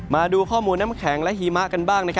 มาดูข้อมูลน้ำแข็งและหิมะกันบ้าง